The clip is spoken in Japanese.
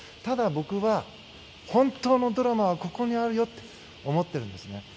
ただ僕は、本当のドラマはここにあるよと思ってるんですね。